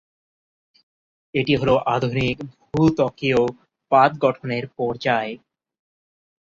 এটি হল আধুনিক ভূত্বকীয় পাত গঠনের পর্যায়।